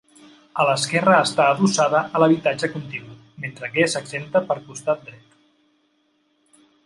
A l'esquerra està adossada a l'habitatge contigu, mentre que és exempta per costat dret.